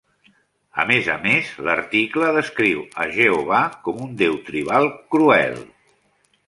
A més a més, l'article descriu a "Jehovà" com un deu tribal cruel.